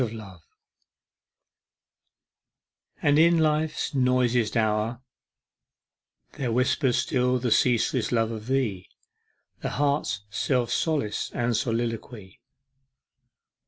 25 And in Life's noisiest hour There whispers still the ceaseless love of thee, The heart's self solace } and soliloquy.